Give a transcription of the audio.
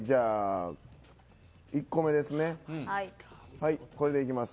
１個目ですね、これでいきます。